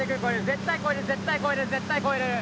絶対超える絶対超える絶対超えれる。